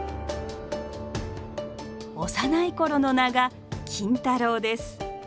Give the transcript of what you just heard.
幼い頃の名が金太郎です。